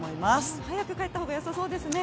早く帰ったほうが良さそうですね。